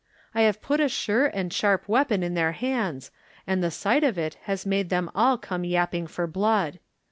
I have put a sure and sharp weapon in their hands and the sight of it has made them all come yapping for blood.